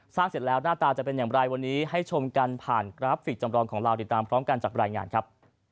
เสร็จแล้วหน้าตาจะเป็นอย่างไรวันนี้ให้ชมกันผ่านกราฟิกจำลองของเราติดตามพร้อมกันจากรายงานครับ